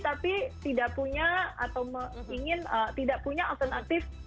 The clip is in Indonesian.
tapi tidak punya atau ingin tidak punya alternatif